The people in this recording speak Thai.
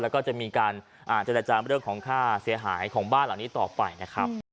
แล้วก็จะมีการเจรจาเรื่องของค่าเสียหายของบ้านหลังนี้ต่อไปนะครับ